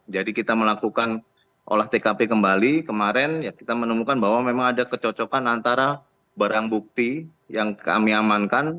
jadi kita melakukan olah tkp kembali kemarin kita menemukan bahwa memang ada kecocokan antara barang bukti yang kami amankan